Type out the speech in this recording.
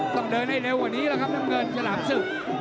ต้องเดินให้เร็วกว่านี้แหละครับน้ำเงินฉลามศึก